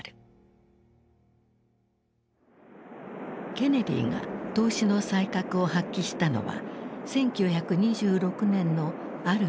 ケネディが投資の才覚を発揮したのは１９２６年のある出来事だった。